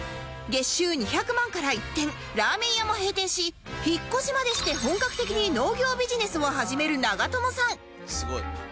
月収２００万から一転ラーメン屋も閉店し引っ越しまでして本格的に農業ビジネスを始める長友さん